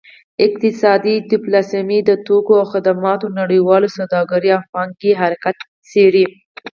اقتصادي ډیپلوماسي د توکو او خدماتو نړیواله سوداګرۍ او پانګې حرکت څیړي